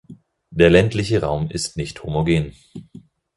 Der ländliche Raum ist nicht homogen.